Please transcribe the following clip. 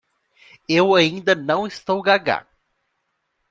Eu ainda não estou gagá!